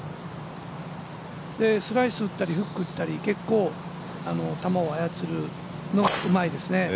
スライス、打ったりフック、打ったり球を操るのがうまいですね。